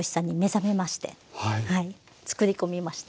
作り込みました。